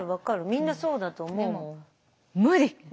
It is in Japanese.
みんなそうだと思うもん。